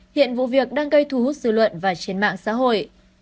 hiện vụ việc đang gây thu hút dư luận và trên mạng xã hội